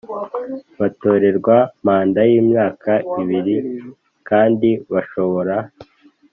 Batorerwa manda y imyaka ibiri kandi bashobora